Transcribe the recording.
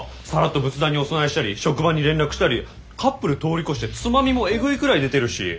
さらっと仏壇にお供えしたり職場に連絡したりカップル通り越して妻みもエグいくらい出てるし！